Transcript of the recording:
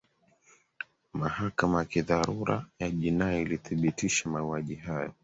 mahakama ya kidharura ya jinai ilithibitisha mauaji hayo